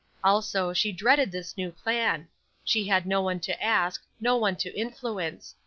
Also, she dreaded this new plan. She had no one to ask, no one to influence.